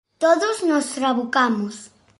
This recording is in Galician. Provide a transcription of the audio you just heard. Todos nos trabucamos.